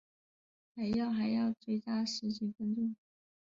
还要还要追加十几分钟